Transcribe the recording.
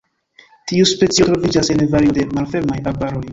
Tiu specio troviĝas en vario de malfermaj arbaroj.